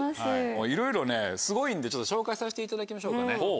いろいろすごいんで紹介させていただきましょうかね。